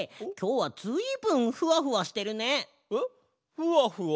ふわふわ？